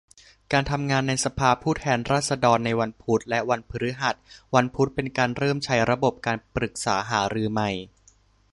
การทำงานในสภาผู้แทนราษฎรในวันพุธ และ วันพฤหัส วันพุธเป็นการเริ่มใช้ระบบการปรึกษาหารือใหม่